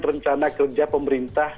rencana kerja pemerintah